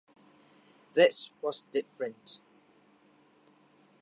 This was different.